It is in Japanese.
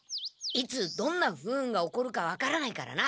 いつどんな不運が起こるか分からないからな。